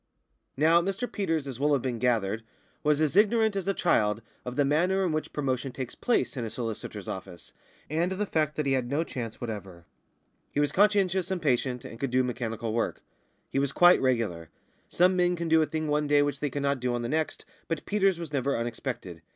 Now, Mr Peters, as will have been gathered, was as ignorant as a child of the manner in which promotion takes place in a solicitor's office, and of the fact that he had no chance whatever. He was conscientious and patient, and could do mechanical work; he was quite regular. Some men can do a thing one day which they cannot do on the next, but Peters was never unexpected.